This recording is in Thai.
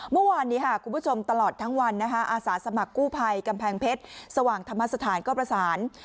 เมื่อวานนี้คุณผู้ชมตลอดทั้งวันอาสาสมัครกู้ภัยกำแพงเพชรสว่างธรรมสถานก็ประสาน